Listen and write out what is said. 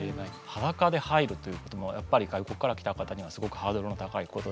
裸で入るということもやっぱり外国から来た方にはすごくハードルの高いことで。